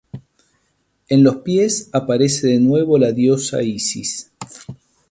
En los pies aparece de nuevo la diosa Isis.